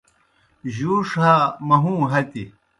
جُوݜ ہا مہُوں ہتیْ